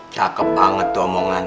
cakep banget tuh omongan